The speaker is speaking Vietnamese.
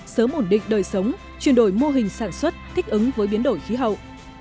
sớm ổn định đời sống chuyển đổi mô hình sản xuất thích ứng với biến đổi khí hậu